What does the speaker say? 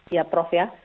ya prof ya